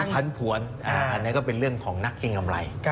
มันพันธุ์ผลอันนี้ก็เป็นเรื่องของนักเก่งกำไร